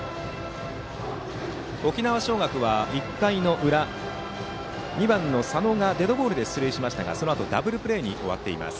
沖縄尚学は１回の裏２番の佐野がデッドボールで出塁しましたがそのあとダブルプレーに終わっています。